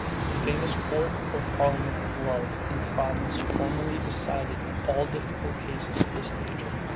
The famous court or parliament of love in Provence formerly decided all difficult cases of this nature.